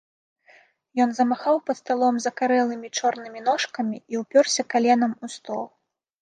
Ён замахаў пад сталом закарэлымі чорнымі ножкамі і ўпёрся каленам у стол.